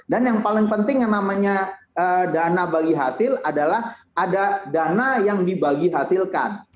dan yang paling penting yang namanya dana bagi hasil adalah ada dana yang dibagi hasilkan